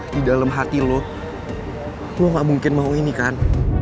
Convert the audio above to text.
di dalam hati lo gak mungkin mau ini kan